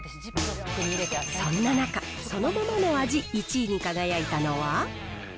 そんな中、そのままの味１位に輝いたのは？